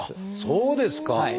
そうですか！